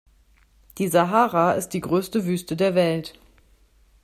Die Sahara ist die größte Wüste der Welt.